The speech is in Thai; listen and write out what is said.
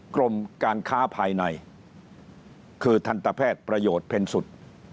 กรมการค้าภายในคือทันตแพทย์ประโยชน์เพ็ญสุด